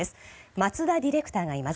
松田ディレクターがいます。